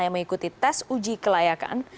yang mengikuti tes uji kelayakan